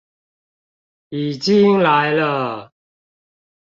已經來了！